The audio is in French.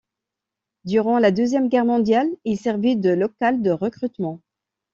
Durant la Deuxième Guerre mondiale, il servit de local de recrutement.